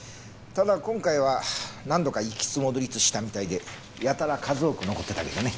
ただ今回は何度か行きつ戻りつしたみたいでやたら数多く残ってたけどね。